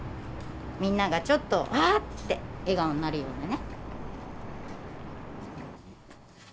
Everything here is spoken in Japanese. みんながちょっとわあって笑顔になるようなね。